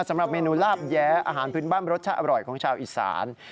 สำหรับเมนูลาบแย้อาหารพื้นบ้านรสชาติอร่อยของชาวอีสาน